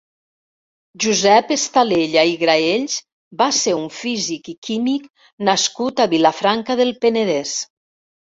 Josep Estalella i Graells va ser un físic i químic nascut a Vilafranca del Penedès.